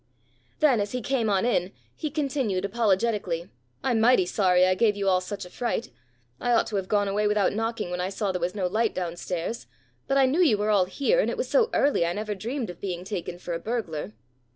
Then as he came on in, he continued, apologetically, "I'm mighty sorry I gave you all such a fright. I ought to have gone away without knocking when I saw there was no light down stairs, but I knew you were all here, and it was so early, I never dreamed of being taken for a burglar."